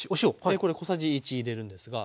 これ小さじ１入れるんですが。